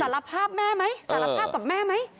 รับภาพแม่ไหมสารภาพกับแม่ไหม